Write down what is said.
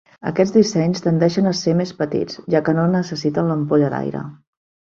Aquests dissenys tendeixen a ser més petits, ja que no necessiten l'ampolla d'aire.